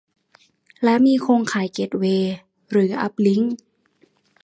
และ มีโครงข่ายเกตเวย์ หรือ อัพลิงค์